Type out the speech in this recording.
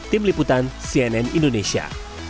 tim liputan cnn indonesia